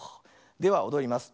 ではおどります。